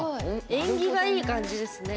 縁起がいい感じですね。